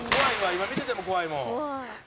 今見てても怖いもん」